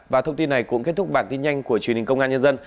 và thông tin này cũng kết thúc bản tin nhanh của truyền hình công an nhân dân